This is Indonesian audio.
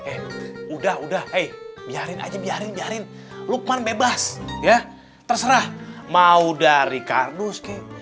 hei hei udah udah hei biarin aja biarin biarin lukman bebas ya terserah mau dari kardus kek